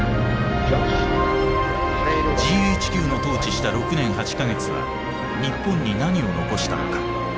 ＧＨＱの統治した６年８か月は日本に何を残したのか。